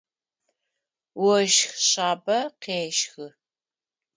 Ощх шъабэ къещхы.